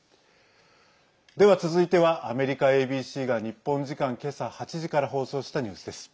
では続いてはアメリカＡＢＣが日本時間、今朝８時から放送したニュースです。